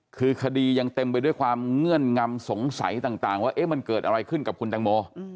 คือคดียังเต็มไปด้วยความเงื่อนงำสงสัยต่างว่ามันเกิดอะไรขึ้นกับคุณตังโม